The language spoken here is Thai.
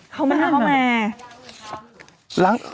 เขาไม่มา